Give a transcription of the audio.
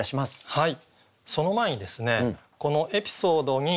はい。